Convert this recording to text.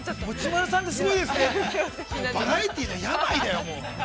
バラエティーの病だよ。